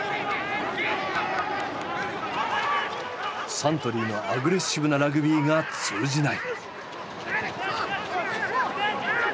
サントリーのアグレッシブなラグビーが通じない。